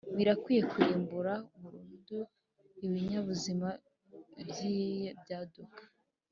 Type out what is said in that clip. Birakwiye kurimbura burundu ibinyabuzima by’ibyaduka